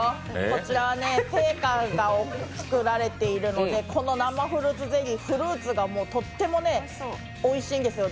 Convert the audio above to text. こちらは青果店が作られているのでこの生フルーツゼリー、フルーツがとってもおいしいんですよ。